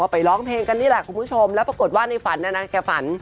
ว่าไปร้องเพลงกันนี่แหละคุณผู้ชมแล้วเปิดว่าในฝันนะแม่พึ่งเก็บฝัน